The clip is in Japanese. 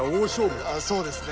あそうですね。